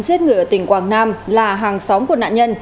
chết người ở tỉnh quảng nam là hàng xóm của nạn nhân